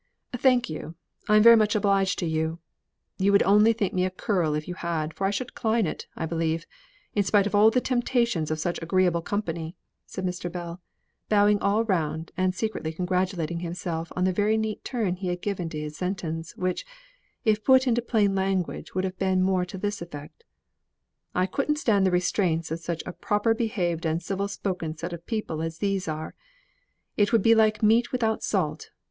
"Thank you. I am much obliged to you. You would only think me a churl if you had, for I should decline it, I believe, in spite of all the temptations of such agreeable company," said Mr. Bell, bowing all round, and secretly congratulating himself on the neat turn he had given to his sentence, which, if put into plain language, would have been more to this effect: "I couldn't stand the restraints of such a proper behaved and civil spoken people as these are: it would be like meat without salt.